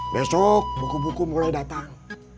besok buku buku mulai datang